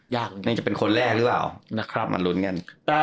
น่าจะเป็นคนแรกรึเปล่า